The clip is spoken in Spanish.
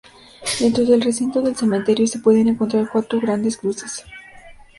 Dentro del recinto del cementerio se pueden encontrar cuatro grandes cruces.